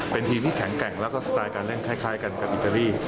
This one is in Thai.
เป็นทีมที่แข็งแกร่งแล้วก็สไตล์การเล่นคล้ายกันกับอิตาลี